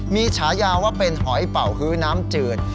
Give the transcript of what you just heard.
มีฉายาว่าเป็นหอยเป่าฮื้อน้ำจืด